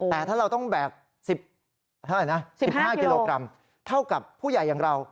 แต่ถ้าเราต้องแบก๑๕กิโลกรัมเท่ากับผู้ใหญ่อย่างเรา